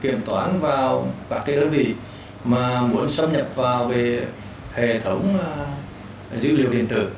kiểm toán vào các đơn vị mà muốn xâm nhập vào về hệ thống dữ liệu điện tử